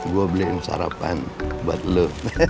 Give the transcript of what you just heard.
gue beliin sarapan buat lo